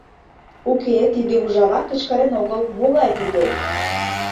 Уке, тиде ужава кычкырен огыл... могай тиде...